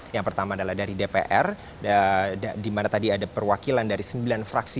yang pertama adalah dari dpr di mana tadi ada perwakilan dari sembilan fraksi